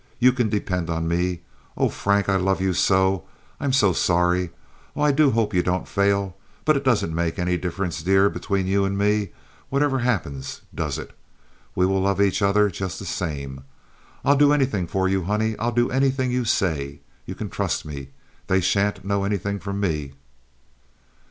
You can depend on me. Oh, Frank, I love you so! I'm so sorry. Oh, I do hope you don't fail! But it doesn't make any difference, dear, between you and me, whatever happens, does it? We will love each other just the same. I'll do anything for you, honey! I'll do anything you say. You can trust me. They sha'n't know anything from me."